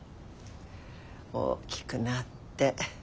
大きくなって。